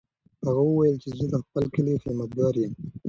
هغه وویل چې زه د خپل کلي خدمتګار یم.